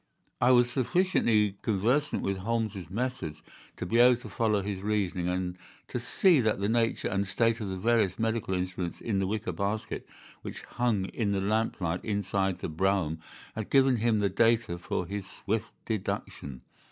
I was sufficiently conversant with Holmes's methods to be able to follow his reasoning, and to see that the nature and state of the various medical instruments in the wicker basket which hung in the lamplight inside the brougham had given him the data for his swift deduction.